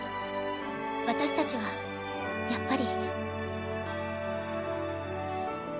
私たちはやっぱり」。